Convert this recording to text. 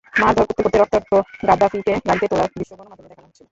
মারধর করতে করতে রক্তাক্ত গাদ্দাফিকে গাড়িতে তোলার দৃশ্য গণমাধ্যমে দেখানো হচ্ছিল।